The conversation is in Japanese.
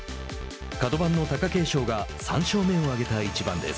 角番の貴景勝が３勝目を挙げた一番です。